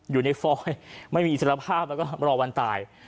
อยู่ในฟอยไม่มีอิสระภาพแล้วก็รอวันตาย